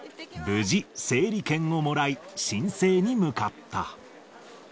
無事、整理券をもらい、申請に向かった。